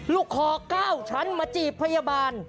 ลูกขอก้าวฉันมาจีบพยาบาล